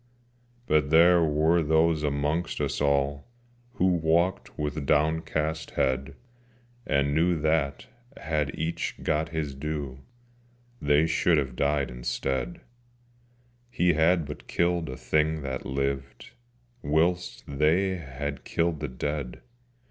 But there were those amongst us all Who walked with downcast head, And knew that, had each got his due, They should have died instead: He had but killed a thing that lived, Whilst they had killed the dead.